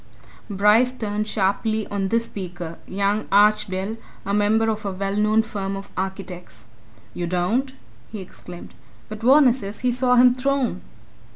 Bryce turned sharply on this speaker young Archdale, a member of a well known firm of architects. "You don't?" he exclaimed. "But Varner says he saw him thrown!"